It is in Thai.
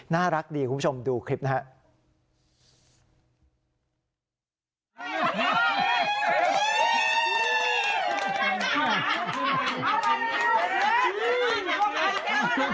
น่ารักดีคุณผู้ชมดูคลิปนะครับ